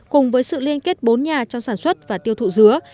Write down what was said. cùng với sự liên kết bốn nhà trong sản xuất và tiêu thụ dứa